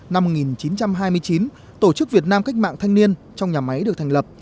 năm một nghìn chín trăm hai mươi chín tổ chức việt nam cách mạng thanh niên trong nhà máy được thành lập